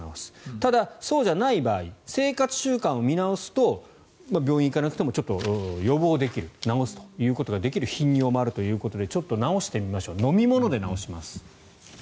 ただ、そうじゃない場合生活習慣を見直すと病院に行かなくてもちょっと予防できる治すということができる頻尿もあるということでちょっと治してみましょう飲み物で治します。